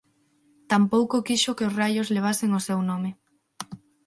Tampouco quixo que os raios levasen o seu nome.